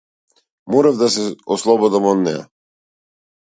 Морав да се ослободам од неа.